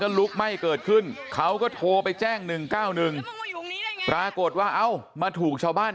ลุกไหม้เกิดขึ้นเขาก็โทรไปแจ้ง๑๙๑ปรากฏว่าเอ้ามาถูกชาวบ้าน